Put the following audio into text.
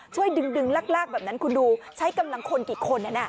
ช่วยดึงลากแบบนั้นคุณดูใช้กำลังคนกี่คน